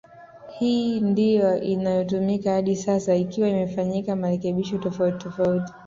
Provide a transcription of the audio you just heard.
Hii ndio inayotumika hadi sasa ikiwa imefanyiwa marekebisho tofauti tofauti